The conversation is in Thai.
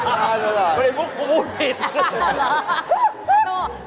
ไม่พูดพูดผิด